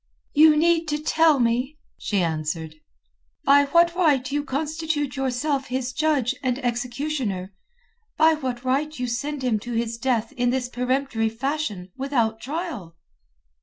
"You need to tell me," she answered, "by what right you constitute yourself his judge and executioner; by what right you send him to his death in this peremptory fashion, without trial."